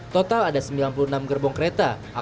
total ada sembilan puluh enam gerbong kereta